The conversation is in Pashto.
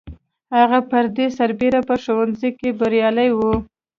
هغه پر دې سربېره په ښوونځي کې بریالی و